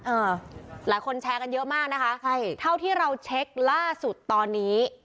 อ่าหลายคนแชร์กันเยอะมากนะคะใช่เท่าที่เราเช็คล่าสุดตอนนี้